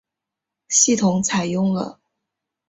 系统采用了。